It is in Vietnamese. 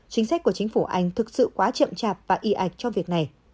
chính sách của chính phủ anh thực sự quá chậm chạp và y ạch cho việc này